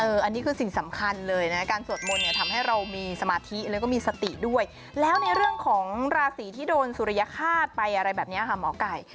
อันนี้คือสิ่งสำคัญเลยนะการสวดมนต์เนี่ยทำให้เรามีสมาธิแล้วก็มีสติด้วยแล้วในเรื่องของราศีที่โดนสุริยฆาตไปอะไรแบบนี้ค่ะหมอไก่